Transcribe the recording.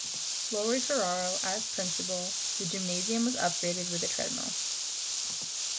Lawrie Ferrao, as principal, the gymnasium was upgraded with a treadmill.